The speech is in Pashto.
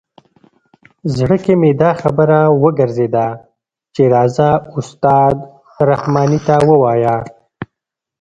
زړه کې مې دا خبره وګرځېده چې راځه استاد رحماني ته ووایه.